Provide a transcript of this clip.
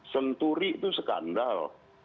senturi itu skandal